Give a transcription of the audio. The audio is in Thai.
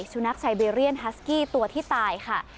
สุนัขไซเบเรียนฮัสกี้ตัวที่ตายค่ะ